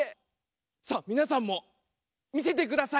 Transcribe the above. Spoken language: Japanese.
さあみなさんもみせてください。